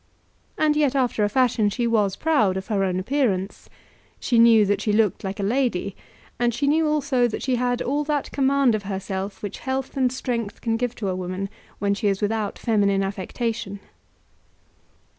And yet after a fashion she was proud of her own appearance. She knew that she looked like a lady, and she knew also that she had all that command of herself which health and strength can give to a woman when she is without feminine affectation.